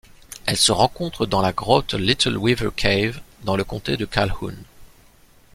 Elle se rencontre dans la grotte Little Weaver Cave dans le comté de Calhoun.